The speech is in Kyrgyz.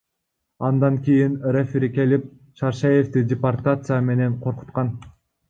Андан кийин рефери келип, Шаршеевди депортация менен коркуткан.